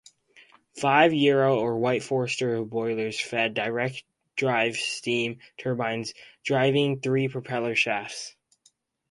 Five Yarrow or White-Forster boilers fed direct-drive steam turbines driving three propeller shafts.